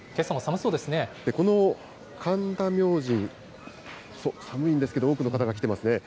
そう、寒いんですけど、多くの方が来てますね。